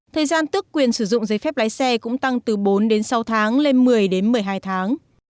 thời gian tức quyền sử dụng giấy phép lái xe cũng tăng từ bốn đến sáu tháng lên một mươi đến một mươi hai tháng